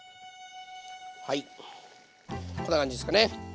はいこんな感じですかね。